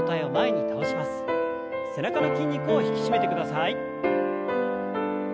背中の筋肉を引き締めてください。